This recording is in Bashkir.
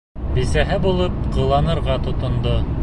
Бисәһе булып ҡыланырға тотондо.